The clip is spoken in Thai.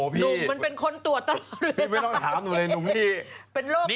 พี่ไม่ต้องถามหนุ่ม